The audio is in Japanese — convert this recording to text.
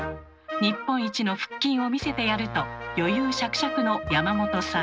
「日本一の腹筋を見せてやる」と余裕しゃくしゃくの山本さん。